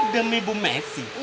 demi bu messi